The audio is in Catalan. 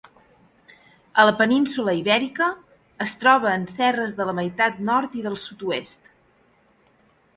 A la península Ibèrica es troba en serres de la meitat nord i del sud-oest.